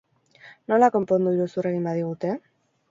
Nola konpondu iruzur egin badigute?